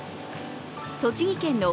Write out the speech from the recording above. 栃木県の奥